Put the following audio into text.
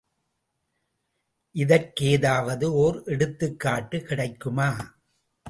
இதற்கு ஏதாவது ஓர் எடுத்துக் காட்டு கிடைக்குமா?